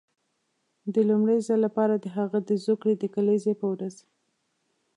د لومړي ځل لپاره د هغه د زوکړې د کلیزې پر ورځ.